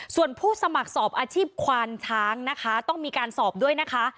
ส่วนผู้สมัครสอบอาชีพควานช้างนะคะต้องมีการสอบด้วยนะคะ